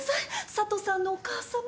佐都さんのお母さま。